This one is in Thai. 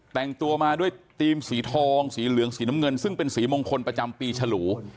แต่งตัวมาด้วยธีมสีทองสีเหลืองสีน้ำเงินซึ่งเป็นสีมงคลประจำปีฉลู